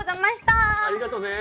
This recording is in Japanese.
はいありがとね。